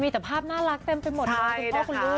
มีภาพน่ารักเต็มไปหมด